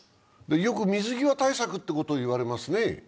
よく水際対策ということをいわれますね。